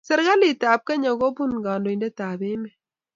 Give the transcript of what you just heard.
Serikalitab Kenya kobun kandoindetab emet